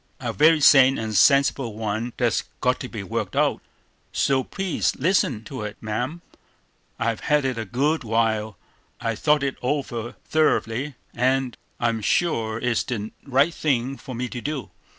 "A very sane and sensible one that's got to be worked out, so please listen to it, ma'am. I've had it a good while, I've thought it over thoroughly, and I'm sure it's the right thing for me to do.